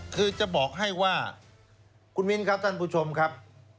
คือจะบอกให้ว่าคุณมิ้นครับท่านผู้ชมครับ